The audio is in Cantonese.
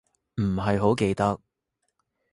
唔係好記得